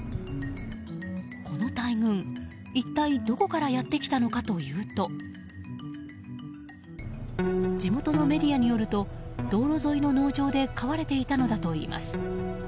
この大群、一体どこからやってきたのかというと地元のメディアによると道路沿いの農場で飼われていたのだといいます。